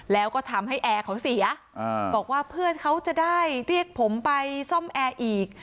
แล้วก็ทำให้แอร์เขาเสียบอกว่าเพื่อนเขาจะได้เรียกผมไปซ่อมแอร์อีก